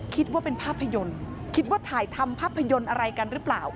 คิดว่าเป็นภาพยนตร์คิดว่าถ่ายทำภาพยนตร์อะไรกันหรือเปล่า